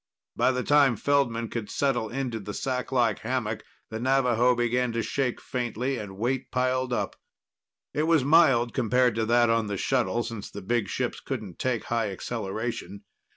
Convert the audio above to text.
By the time Feldman could settle into the sacklike hammock, the Navaho began to shake faintly, and weight piled up. It was mild compared to that on the shuttle, since the big ships couldn't take high acceleration.